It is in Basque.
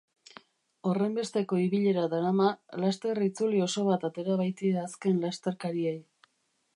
Horrenbesteko ibilera darama, laster itzuli oso bat atera baitie azken lasterkariei.